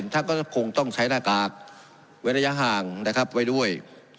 ท่านก็คงต้องใช้หน้ากากเว้นระยะห่างนะครับไว้ด้วย